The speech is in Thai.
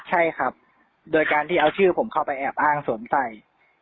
ใช่ครับโดยการที่เอาชื่อผมเข้าไปแอบอ้างสวมใส่